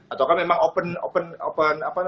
ataukah memang open